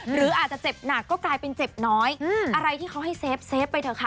หรืออาจจะเจ็บหนักก็กลายเป็นเจ็บน้อยอะไรที่เขาให้เซฟไปเถอะค่ะ